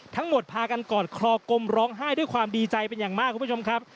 พากันกอดคลอกมร้องไห้ด้วยความดีใจเป็นอย่างมากคุณผู้ชมครับ